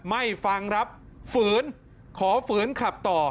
ไม่ฟังครับฝืนขอฝืนขับต่อ